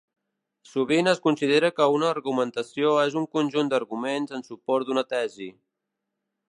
Sovint es considera que una argumentació és un conjunt d'arguments en suport d'una tesi.